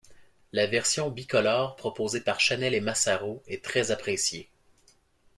La version bicolore proposée par Chanel et Massaro est très appréciée.